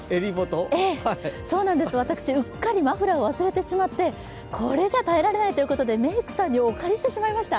そうなんです、私、うっかりマフラーを忘れてしまってこれじゃあ耐えられないということで、メイクさんにお借りしてしまいました。